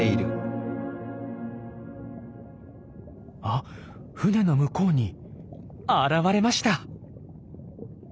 あ船の向こうに現れました！